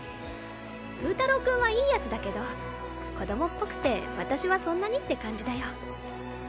フータロー君はいいヤツだけど子供っぽくて私はそんなにって感じだよ